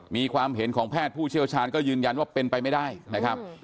มีความเห็นของแพทย์ผู้เชี่ยวชาญก็ยืนยันว่าเป็นไปไม่ได้นะครับ